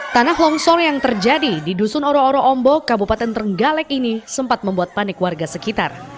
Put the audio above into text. tanah longsor yang terjadi di dusun oro oro ombok kabupaten trenggalek ini sempat membuat panik warga sekitar